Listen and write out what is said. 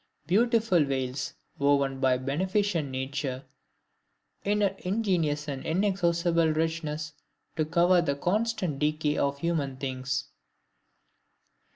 Beautiful veils woven by beneficent Nature, in her ingenious and inexhaustible richness, to cover the constant decay of human things!